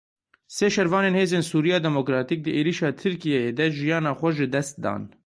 Sê şervanên Hêzên Sûriya Demokratîk di êrişa Tirkiyeyê de jiyana xwe ji dest dan.